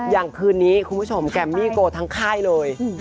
อย่างคืนนี้คุณผู้ชมแกมมี่โกทั้งค่ายเลย